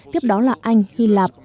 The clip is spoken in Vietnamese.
tiếp đó là anh